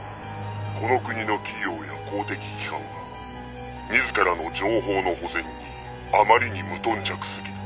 「この国の企業や公的機関は自らの情報の保全にあまりに無頓着すぎる」